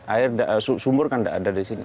air sumur kan tidak ada di sini